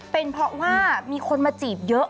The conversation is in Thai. เป็นเพราะว่ามีคนมาจีบเยอะอะไรแบบนี้หรอ